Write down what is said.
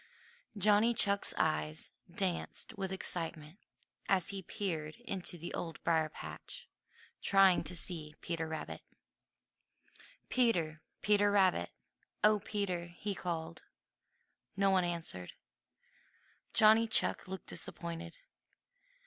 Johnny Chuck's eyes danced with excitement as he peered into the Old Briar patch, trying to see Peter Rabbit. "Peter! Peter Rabbit! Oh, Peter!" he called. No one answered. Johnny Chuck looked disappointed.